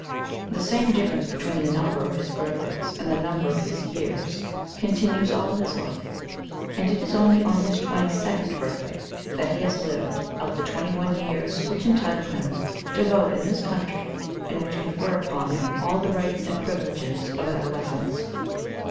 The same difference between the number of his birthdays and the number of his years continues all his life, and it is only on his twenty second birthday that he has lived out the twenty one 'years which entitle him to vote in this country and which confer upon him all the rights and privileges of adolescence.